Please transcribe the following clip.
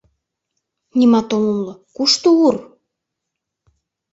Нимат ом умыло, кушто Ур?